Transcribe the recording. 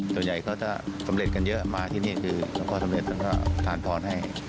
ส่วนใหญ่เขาจะสำเร็จกันเยอะมาที่นี่คือแล้วก็สำเร็จท่านก็ทานพรให้